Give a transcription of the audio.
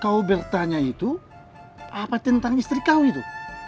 kau bertanya itu apa tentang istri kamu itu